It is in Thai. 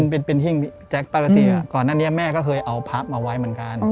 เป็นหิ้งพี่แจ๊คปกติก่อนหน้านี้แม่ก็เคยเอาพระมาไว้เหมือนกัน